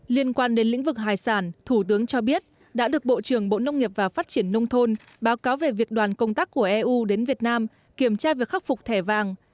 liên quan đến lĩnh vực hải sản thủ tướng cho biết đã được bộ trưởng bộ nông nghiệp và phát triển nông thôn báo cáo về việc đoàn công tác của eu đến việt nam kiểm tra việc khắc phục thẻ vàng